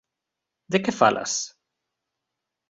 De que falas?